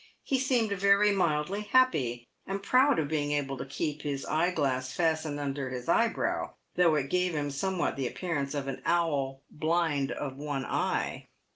He seemed very mildly happy, and proud of being able to keep his eye glass fastened under his eyebrow, though it gave him somewhat the appearance of an owl blind of one eye.